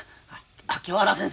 清原先生